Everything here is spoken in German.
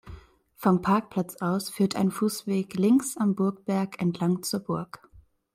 Vom Parkplatz aus führt ein Fußweg links am Burgberg entlang zur Burg.